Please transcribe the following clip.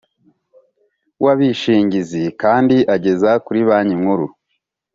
w abishingizi kandi ageza kuri Banki Nkuru